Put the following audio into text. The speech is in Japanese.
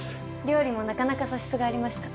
料理もなかなか素質がありました。